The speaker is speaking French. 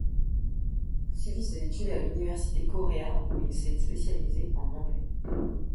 Il a poursuivi ses études à l'universitéKoréa où il s'est spécialisé en anglais.